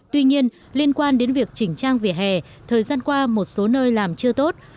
tuy nhiên liên quan đến việc chỉnh trang vỉa hè thời gian qua một số nơi làm chưa tốt